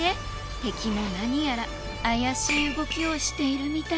敵も何やら怪しい動きをしているみたい。